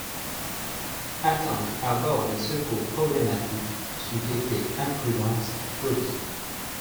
Attendre à bord des secours problématiques, ç’eût été imprudence et folie.